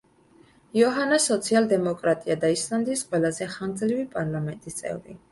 იოჰანა სოციალ-დემოკრატია და ისლანდიის ყველაზე ხანგრძლივი პარლამენტის წევრი.